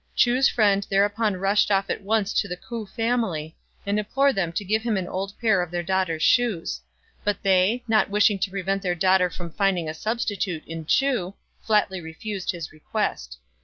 Chu's friend thereupon rushed off at once to the K'ou family, and implored them to give him an old pair of their daughter's shoes ; but they, not wishing to prevent their daughter from finding a substi tute in Chu, flatly refused his request.